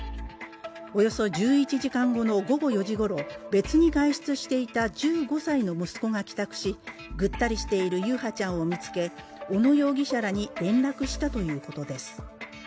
およそ１１時間後の午後４時ごろ、別に外出していた１５歳の息子が帰宅し、ぐったりしている優陽ちゃんを見つけ、小野容疑者らに連絡したということです。